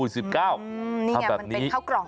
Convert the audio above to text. นี่ไงมันเป็นเข้ากล่องเลยทำแบบนี้